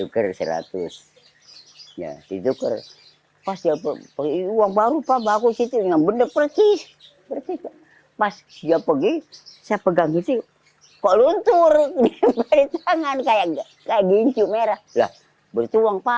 ketipu lompat sumpah kurang mau